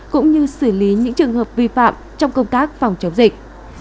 cũng như xử lý những trường hợp vi phạm trong công tác phòng chống dịch